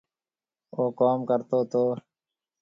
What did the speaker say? او ڪوم ڪرتو تو